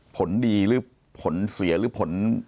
ผลดีหรือผลเสียหรือผล